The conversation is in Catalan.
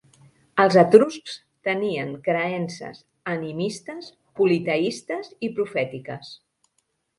Els etruscs tenien creences animistes, politeistes i profètiques.